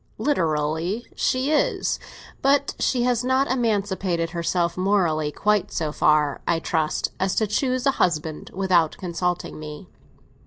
"Literally, she is. But she has not emancipated herself morally quite so far, I trust, as to choose a husband without consulting me.